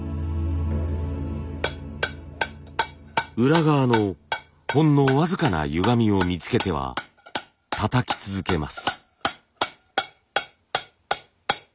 裏側のほんの僅かなゆがみを見つけてはたたき続けます。